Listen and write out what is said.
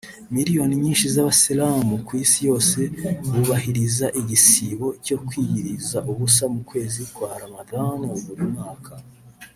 Miliyoni nyinshi z’Abasilamu ku isi yose bubahiriza igisibo cyo kwiyiriza ubusa mu kwezi kwa Ramadhan buri mwaka